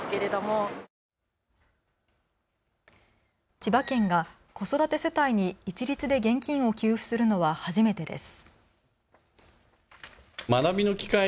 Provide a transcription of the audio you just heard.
千葉県が子育て世帯に一律で現金を給付するのは初めてです。